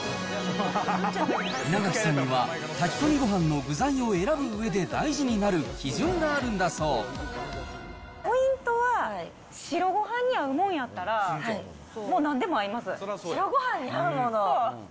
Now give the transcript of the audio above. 稲垣さんには、炊き込みご飯の具材を選ぶうえで大事になる基準がポイントは、白ごはんに合うもんやったら、白ごはんに合うもの？